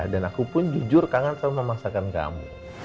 dan aku pun jujur kangen sama masakan kamu